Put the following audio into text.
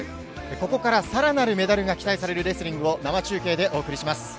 ここからさらなるメダルが期待されるレスリングを生中継でお送りします。